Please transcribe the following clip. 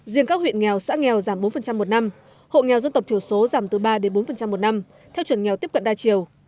riêng các huyện nghèo xã nghèo giảm bốn một năm hộ nghèo dân tộc thiểu số giảm từ ba bốn một năm theo chuẩn nghèo tiếp cận đa chiều